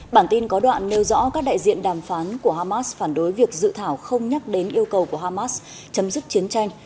bản tin có đoạn nêu rõ các đại diện đàm phán của hamas phản đối việc dự thảo không nhắc đến yêu cầu của hamas chấm dứt chiến tranh